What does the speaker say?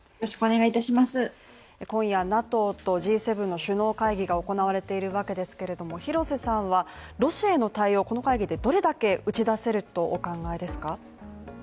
今夜、ＮＡＴＯと、Ｇ７の首脳会議が行われているわけですけど廣瀬さんはロシアへの対応、この会議でどれだけ打ち出せるとお考えですか？